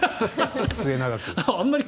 末永く。